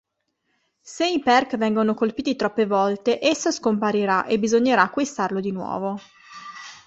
Se i perk vengono colpiti troppe volte esso scomparirà e bisognerà acquistarlo di nuovo.